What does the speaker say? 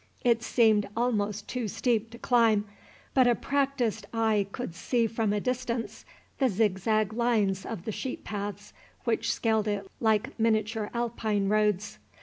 It seemed almost too steep to climb, but a practised eye could see from a distance the zigzag lines of the sheep paths which scaled it like miniature Alpine roads.